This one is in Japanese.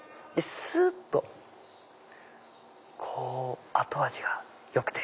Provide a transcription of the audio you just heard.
すっとこう後味がよくて。